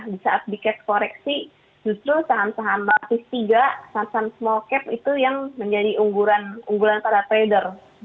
di saat big cap koreksi justru saham saham basis tiga saham saham small cap itu yang menjadi unggulan pada trade